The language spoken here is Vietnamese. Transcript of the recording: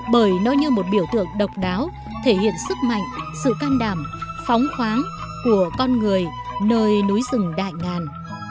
bởi nó như một biểu tượng độc đáo thể hiện sức mạnh sự can đảm phóng khoáng của con người nơi núi rừng đại ngàn